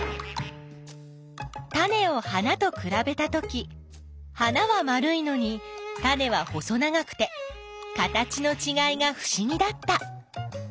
タネを花とくらべたとき花は丸いのにタネは細長くて形のちがいがふしぎだった。